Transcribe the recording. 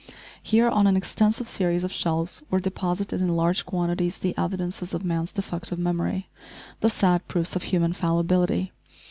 Here, on an extensive series of shelves, were deposited in large quantities the evidences of man's defective memory; the sad proofs of human fallibility.